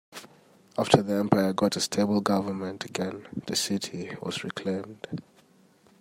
After the empire got a stable government again, the city was reclaimed.